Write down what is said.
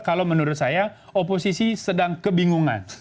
kalau menurut saya oposisi sedang kebingungan